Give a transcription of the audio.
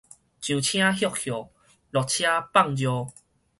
上車歇歇，落車放尿